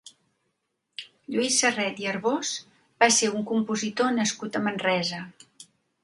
Lluís Sarret i Arbós va ser un compositor nascut a Manresa.